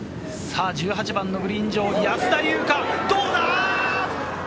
１８番のグリーン上、安田祐香、どうだ？